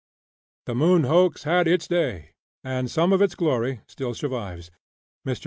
The moon hoax had its day, and some of its glory still survives. Mr.